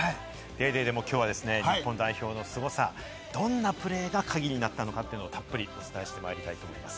でも、きょうは日本代表の強さ、どんなプレーがカギになったのかをたっぷりお伝えしていきたいと思います。